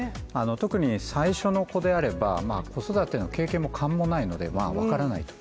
特に最初の子であれば子育ての経験も勘もないので分からないと。